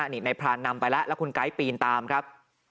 นี่นายพรานนำไปแล้วแล้วคุณไก๊ปีนตามครับ